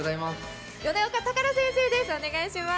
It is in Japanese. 米岡宝先生です。